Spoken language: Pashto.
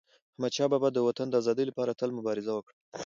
احمدشاه بابا د وطن د ازادی لپاره تل مبارزه وکړه.